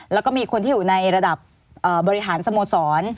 แล้วก็มีคนที่อยู่ในระดับบริหารสโมสร